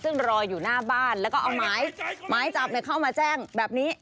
ซึ่งรออยู่หน้าบ้านแล้วก็เอาหมายจับเข้ามาแจ้งแบบนี้